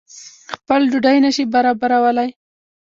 خپل ډوډۍ نه شي برابرولای.